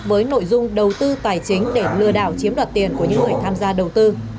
với nội dung đầu tư tài chính để lừa đảo chiếm đoạt tiền của những người tham gia đầu tư